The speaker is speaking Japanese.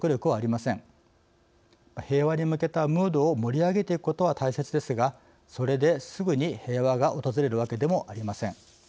平和に向けたムードを盛り上げていくことは大切ですがそれですぐに平和が訪れるわけでもありません。